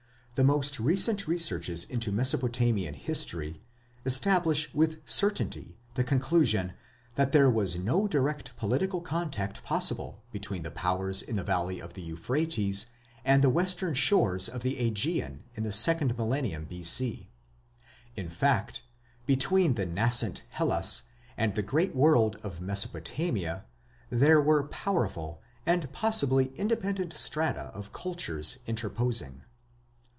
"The most recent researches into Mesopotamian history", writes Dr. Farnell, "establish with certainty the conclusion that there was no direct political contact possible between the powers in the valley of the Euphrates and the western shores of the Aegean in the second millennium B.C. In fact, between the nascent Hellas and the great world of Mesopotamia there were powerful and possibly independent strata of cultures interposing."